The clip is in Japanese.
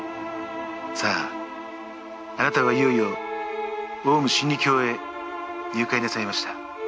さぁあなたはいよいよオウム真理教へ入会なさいました。